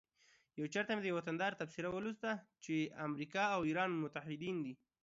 یو چیرته مې د یوه وطندار تبصره ولوسته چې امریکا او ایران متعهدین دي